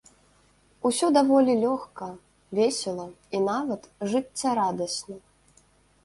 Усё даволі лёгка, весела і нават жыццярадасна.